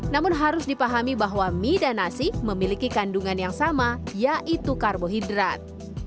namun harus dipahami bahwa mie dan nasi memiliki kandungan yang sama yaitu karbohidrat